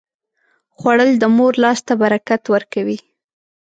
خوړل د مور لاس ته برکت ورکوي